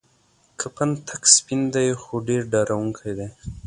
کفن تک سپین دی خو ډیر ډارونکی دی.